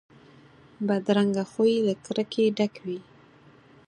بدرنګه خوی له کرکې ډک وي